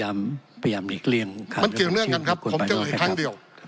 มันเกี่ยวเนื้อกันครับผมจะเอ่ยทั้งเดียว